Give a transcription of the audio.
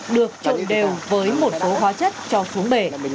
được trộn đều với một số hóa chất cho xuống bể